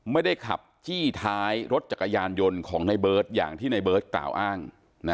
ไม่ได้ขับจี้ท้ายรถจักรยานยนต์ของในเบิร์ตอย่างที่ในเบิร์ตกล่าวอ้าง